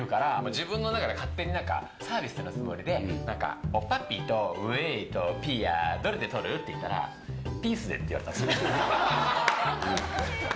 自分の中で勝手にサービスのつもりでおっぱっぴーとウェーイとピーヤとどれで撮る？って言ったらピースでって言われたんです。